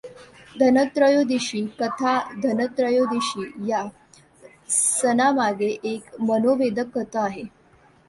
धनत्रयोदशी कथा धनत्रयोदशी या सणामागे एक मनोवेधक कथा आहे.